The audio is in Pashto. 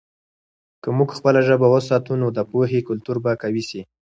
که موږ خپله ژبه وساتو، نو د پوهې کلتور به قوي سي.